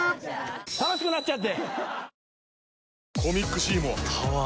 楽しくなっちゃって！